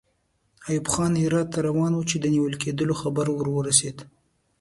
ایوب خان هرات ته روان وو چې د نیول کېدلو خبر ورته ورسېد.